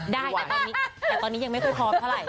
ได้แต่ตอนนี้ยังไม่ค่อยพร้อมเท่าไหร่